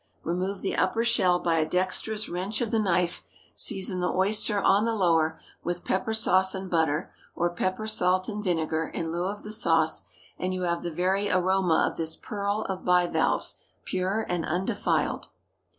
Remove the upper shell by a dexterous wrench of the knife, season the oyster on the lower, with pepper sauce and butter, or pepper, salt, and vinegar in lieu of the sauce, and you have the very aroma of this pearl of bivalves, pure and undefiled.